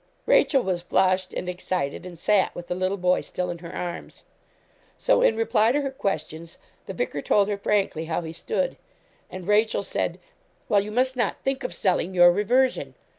Rachel was flushed and excited, and sat with the little boy still in her arms. So, in reply to her questions, the vicar told her frankly how he stood; and Rachel said 'Well, you must not think of selling your reversion.